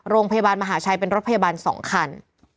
โรงพยาบาลมหาชัยเป็นรถพยาบาล๒คัน